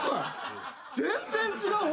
全然違う！